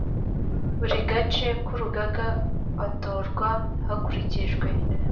buri gace k urugaga batorwa hakurikijwe